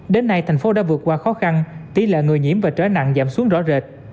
đến nay thành phố đã vượt qua khó khăn tỷ lệ người nhiễm và trở nặng giảm xuống rõ rệt